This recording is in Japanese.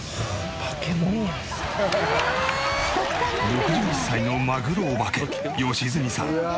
６１歳のマグロオバケ良純さん。